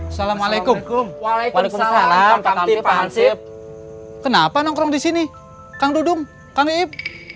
assalamualaikum waalaikumsalam pak khamtib pak hansip kenapa nongkrong di sini kang dudung kang ip